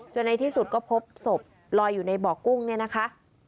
ในที่สุดก็พบศพลอยอยู่ในบ่อกุ้งเนี่ยนะคะ